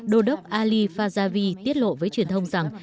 đô đốc ali fajavi tiết lộ với truyền thông rằng